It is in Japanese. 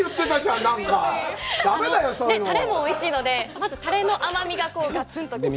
タレもおいしいのでまずタレの甘みががつんと来て。